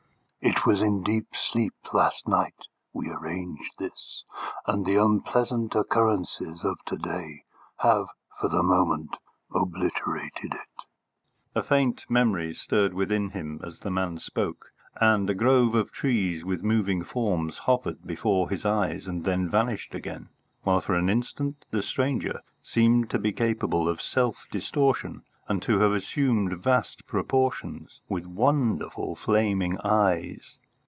"It was in deep sleep last night we arranged this, and the unpleasant occurrences of to day have for the moment obliterated it." A faint memory stirred within him as the man spoke, and a grove of trees with moving forms hovered before his eyes and then vanished again, while for an instant the stranger seemed to be capable of self distortion and to have assumed vast proportions, with wonderful flaming eyes.